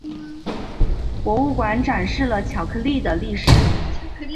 博物馆展示了巧克力的历史。